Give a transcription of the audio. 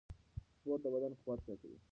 سپورت د بدن قوت زیاتوي.